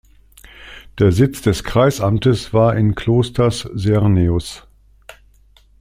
Der Sitz des Kreisamtes war in Klosters-Serneus.